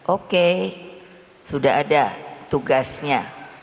oke sudah ada tugasnya